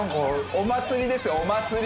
お祭りですよお祭り！